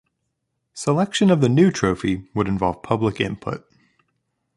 Selection of the new trophy would involve public input.